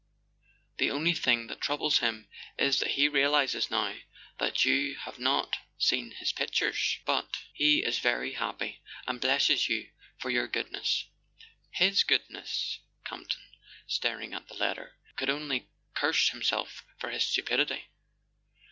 "The only thing that troubles him is that he realizes now that you have not seen his pictures. But he is very happy, and blesses you for your goodness." His goodness! Campton, staring at the letter, could only curse himself for his stupidity.